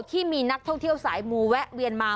ที่มีนักท่องเที่ยวสายมูแวะเวียนมา